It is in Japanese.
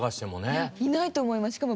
いやいないと思います。